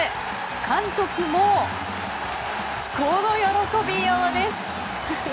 監督も、この喜びようです。